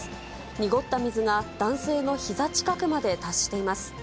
濁った水が男性のひざ近くまで達しています。